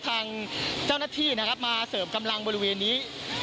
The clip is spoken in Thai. ทางเจ้าหน้าที่นะครับมาเสริมกำลังบริเวณนี้